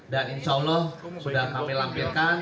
dan insya allah sudah kami lampirkan